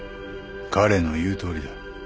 彼の言うとおりだ。